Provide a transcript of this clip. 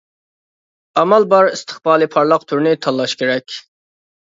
ئامال بار ئىستىقبالى پارلاق تۈرنى تاللاش كېرەك.